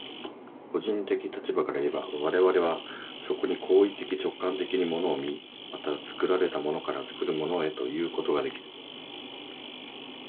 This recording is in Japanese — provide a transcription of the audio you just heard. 個人的立場からいえば、我々はそこに行為的直観的に物を見、また作られたものから作るものへということができる。